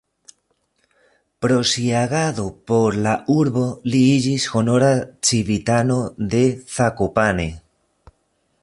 Pro sia agado por la urbo li iĝis honora civitano de Zakopane.